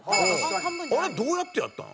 あれどうやってやったん？